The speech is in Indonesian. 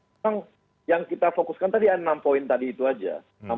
memang yang kita fokuskan tadi enam poin tadi itu aja